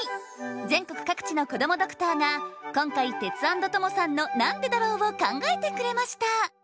全国各地のこどもドクターが今回テツａｎｄトモさんの「なんでだろう」を考えてくれました